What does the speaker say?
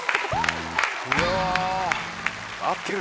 うわ。